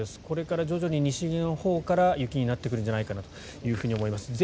これから徐々に西のほうから雪になってくるんじゃないかなと思います。